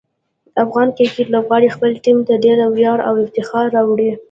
د افغان کرکټ لوبغاړي خپل ټیم ته ډېر ویاړ او افتخار راوړي.